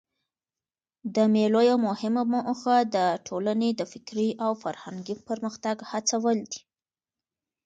د مېلو یوه مهمه موخه د ټولني د فکري او فرهنګي پرمختګ هڅول دي.